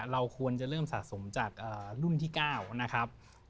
เราควรจะเริ่มสะสมจากรุ่นที่๙นะครับ